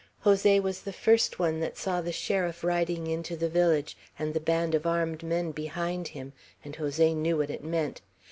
Jose was the first one that saw the sheriff riding into the village, and the band of armed men behind him, and Jose knew what it meant.